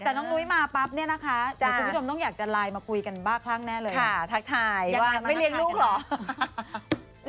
แต่น้องนุ้ยมาปั๊บเนี่ยนะคะคุณผู้ชมต้องอยากจะไลน์มาคุยกันบ้าคลั่งแน่เลยค่ะทักทายยังไงไม่เลี้ยงลูกเหรอ